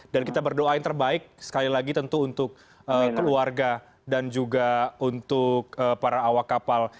dan kita berdoa yang terbaik sekali lagi tentu untuk keluarga dan juga untuk para awak kapal